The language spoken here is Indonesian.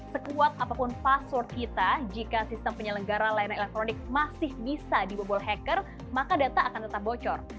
sekuat apapun password kita jika sistem penyelenggara layanan elektronik masih bisa dibobol hacker maka data akan tetap bocor